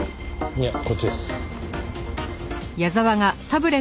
いやこっちです。